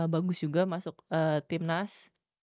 bagus juga masuk timnas